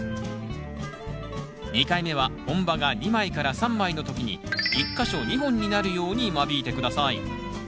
２回目は本葉が２枚から３枚の時に１か所２本になるように間引いて下さい。